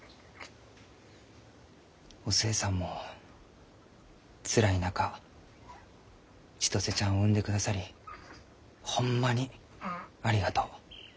お寿恵さんもつらい中千歳ちゃんを産んでくださりホンマにありがとう。